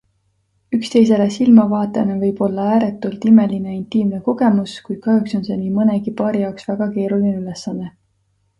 Üksteisele silma vaatamine võib olla ääretult imeline ja intiimne kogemus, kuid kahjuks on see nii mõnegi paari jaoks väga keeruline ülesanne.